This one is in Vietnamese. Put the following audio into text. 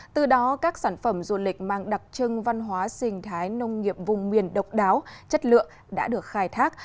từ đó các sản phẩm du lịch mang đặc trưng văn hóa sinh thái nông nghiệp vùng miền độc đáo chất lượng đã được khai thác